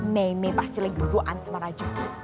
meimei pasti lagi buruan sama raju